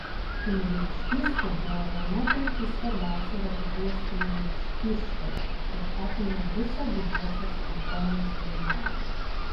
Kunigaikštystė buvo viena penkių svarbiausių Vokietijos kunigaikštysčių ir apėmė visą didžiosios Frankonijos regioną.